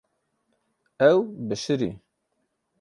Ew bişirî.